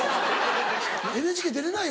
ＮＨＫ出れないよ